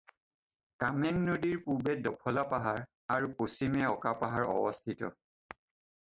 কামেং নদীৰ পূবে ডফলা পাহাৰ আৰু পশ্চিমে অকা পাহাৰ অৱস্থিত।